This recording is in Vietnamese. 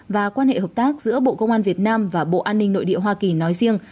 và quan hệ hợp tác giữa bộ công an việt nam và bộ an ninh nội địa hoa kỳ nói riêng